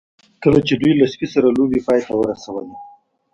کله چې دوی له سپي سره لوبې پای ته ورسولې